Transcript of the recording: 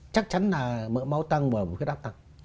chắc chắn là mỡ máu tăng và huyết áp tăng